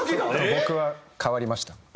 僕は変わりました。